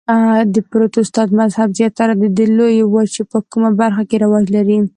د پروتستانت مذهب زیاتره د دې لویې وچې په کومه برخه کې رواج لري؟